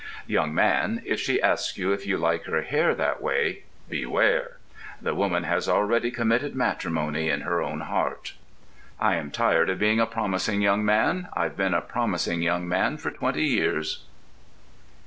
Young man, if she asks you if you like her hair that way, beware. The woman has already committed matrimony in her own heart. I am tired of being a promising young man. I've been a promising young man for twenty years.